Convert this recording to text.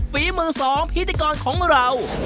ฝีมือสองพิธีกรของเรา